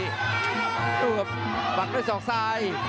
ดูกับปักด้วยสองซ้าย